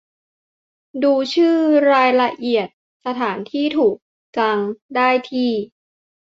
ดูชื่อ รายละเอียด สถานที่ถูกจัง ได้ที่